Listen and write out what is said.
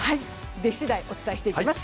出しだい、お伝えしていきます。